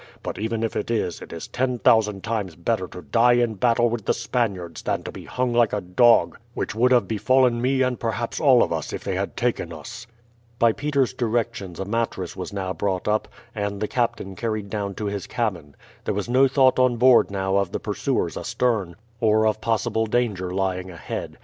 But even if it is, it is ten thousand times better to die in battle with the Spaniards than to be hung like a dog, which would have befallen me and perhaps all of us if they had taken us." By Peters' directions a mattress was now brought up, and the captain carried down to his cabin. There was no thought on board now of the pursuers astern, or of possible danger lying ahead.